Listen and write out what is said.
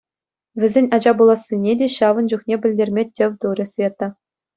Вӗсен ача пулассине те ҫавӑн чухне пӗлтерме тӗв турӗ Света.